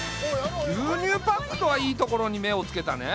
牛乳パックとはいいところに目をつけたね。